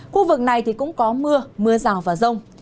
khu vực này thì cũng có mưa mưa rào và rông